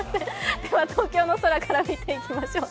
では東京の空から見ていきましょう。